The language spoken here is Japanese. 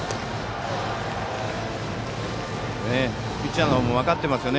ピッチャーも分かってますよね。